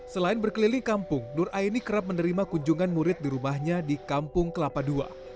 selain berkeliling kampung nur aini kerap menerima kunjungan murid di rumahnya di kampung kelapa ii